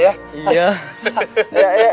iya udah saya bawa pulang ya